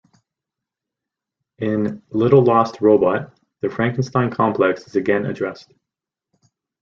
In "Little Lost Robot," the Frankenstein complex is again addressed.